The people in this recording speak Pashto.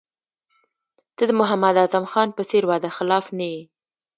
ته د محمد اعظم خان په څېر وعده خلاف نه یې.